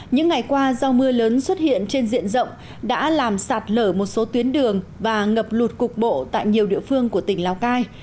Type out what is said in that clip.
những ngày qua do mưa lớn xuất hiện trên diện rộng đã làm sạt lở một số tuyến đường và ngập lụt cục bộ tại nhiều địa phương của tỉnh lào cai